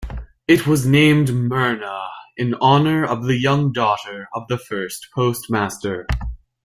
It was named Merna in honor of the young daughter of the first postmaster.